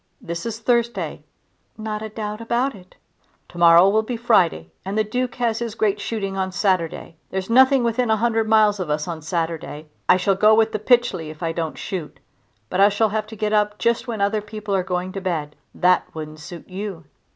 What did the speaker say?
This is Thursday." "Not a doubt about it." "To morrow will be Friday and the Duke has his great shooting on Saturday. There's nothing within a hundred miles of us on Saturday. I shall go with the Pytchley if I don't shoot, but I shall have to get up just when other people are going to bed. That wouldn't suit you."